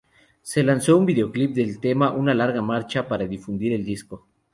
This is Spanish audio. Se lanzó un videoclip del tema "Una Larga Marcha" para difundir el disco.